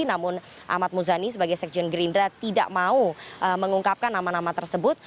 namun ahmad muzani sebagai sekjen gerindra tidak mau mengungkapkan nama nama tersebut